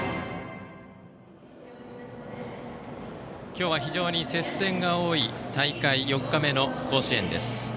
今日は非常に接戦が多い大会４日目の甲子園です。